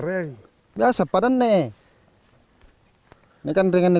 mereka mungkin b licensing sepuluh lol ly reconnaissance